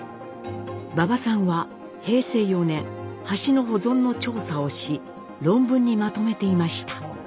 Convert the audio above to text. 馬場さんは平成４年橋の保存の調査をし論文にまとめていました。